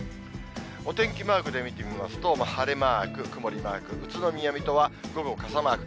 お天気マークで見てみますと、晴れマーク、曇りマーク、宇都宮、水戸は午後、傘マーク。